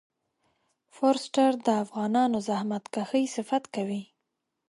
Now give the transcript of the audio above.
فورسټر د افغانانو زحمت کښی صفت کوي.